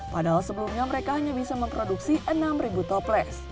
padahal sebelumnya mereka hanya bisa memproduksi enam toples